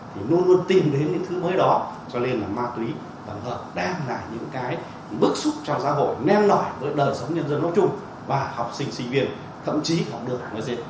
thì luôn luôn tìm đến những thứ mới đó cho nên là ma túy tổng hợp đang là những cái bức xúc cho gia hội men nổi với đời sống nhân dân lớp trung và học sinh sinh viên thậm chí học được